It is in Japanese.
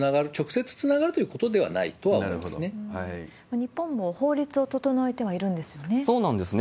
日本も法律を整えてはいるんですよね。